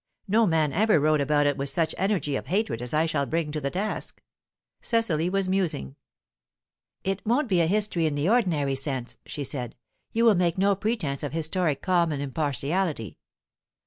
No man ever wrote about it with such energy of hatred as I shall bring to the task." Cecily was musing. "It won't be a history in the ordinary sense," she said. "You will make no pretence of historic calm and impartiality."